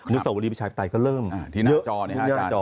นุษย์สวรีบริชาปไตยก็เริ่มเยอะที่หน้าจอ